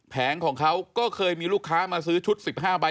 ของเขาก็เคยมีลูกค้ามาซื้อชุด๑๕ใบ